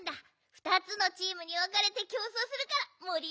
ふたつのチームにわかれてきょうそうするからもりあがるよ！